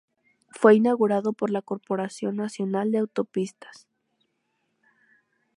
Fue inaugurado por la Corporación nacional de Autopistas.